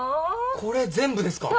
これ全部ですか？